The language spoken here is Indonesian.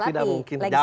oh tidak mungkin